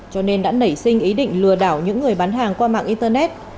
cho nên đã nảy sinh ý định lừa đảo những người bán hàng qua mạng internet